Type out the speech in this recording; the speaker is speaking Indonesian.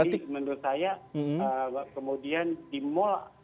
jadi menurut saya kemudian di mall